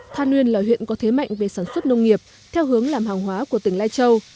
than uyên là huyện có thế mạnh về sản xuất nông nghiệp theo hướng làm hàng hóa của tỉnh lai châu